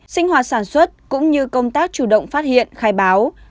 sinh hoạt sản xuất cũng như công tác chủ động phát hiện khai báo